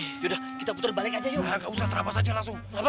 soldat itu pijak sama sama